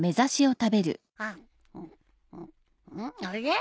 あれ？